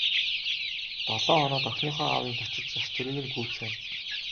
Долоо хоноод охиныхоо аавынд очиж ёс төрийг нь гүйцээнэ.